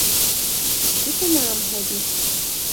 Kam ti to mám hodit?